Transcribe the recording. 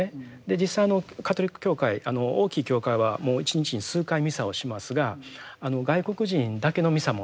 実際あのカトリック教会大きい教会はもう一日に数回ミサをしますが外国人だけのミサもあります。